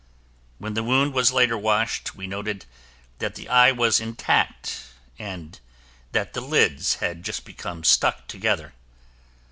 When the wound was later washed, we noted that the eye was intact and that the lids had just become stuck together.